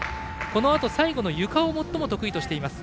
このあと最後のゆかを最も得意としています。